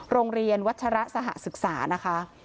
โรงเรียนวัชระสหศึกษานะคะ